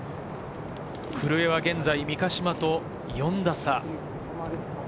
古江は現在、三ヶ島と４打差。